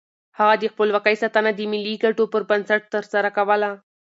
هغه د خپلواکۍ ساتنه د ملي ګټو پر بنسټ ترسره کوله.